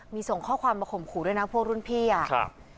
มีส่งข้อความมาข่มขู่ด้วยนะพวกรุ่นพี่อ่ะครับ